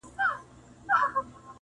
زه شاعر سړی یم بې الفاظو نور څه نه لرم,